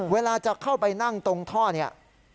เวลาจะเข้าไปนั่งตรงท่อเนี่ย